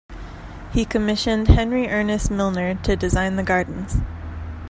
He commissioned Henry Ernest Milner to design the gardens.